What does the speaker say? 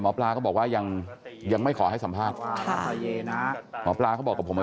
หมอปลาก็บอกว่ายังยังไม่ขอให้สัมภาษณ์ค่ะหมอปลาเขาบอกกับผมมา